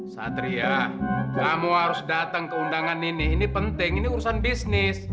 satria kamu harus datang ke undangan ini ini penting ini urusan bisnis